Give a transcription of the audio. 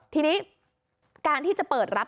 ทีนี้การที่จะเปิดรับ